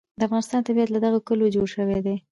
د افغانستان طبیعت له دغو کلیو جوړ شوی دی.